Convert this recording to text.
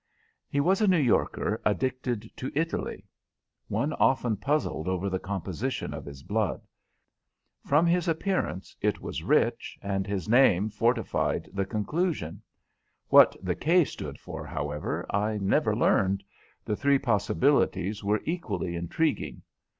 He was a New Yorker addicted to Italy. One often puzzled over the composition of his blood. From his appearance, it was rich, and his name fortified the conclusion. What the K. stood for, however, I never learned; the three possibilities were equally intriguing.